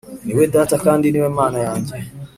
Ni we Data kandi ni we Mana yanjye